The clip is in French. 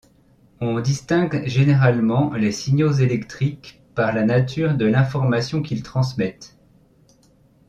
On distingue généralement les signaux électriques par la nature de l'information qu'ils transmettent.